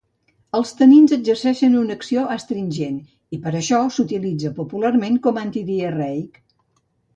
Els tanins exerceixen una acció astringent, i per això s'utilitza popularment com a antidiarreic.